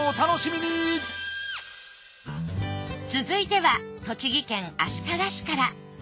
続いては栃木県足利市から。